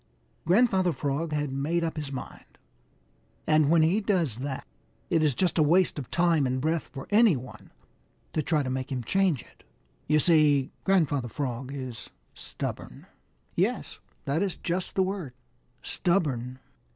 Grandfather Frog had made up his mind, and when he does that, it is just a waste of time and breath for any one to try to make him change it. You see Grandfather Frog is stubborn. Yes, that is just the word stubborn.